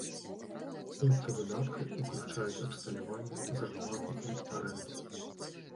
Пункты выдаткаў уключаюць абсталяванне, зарплаты і арэнду.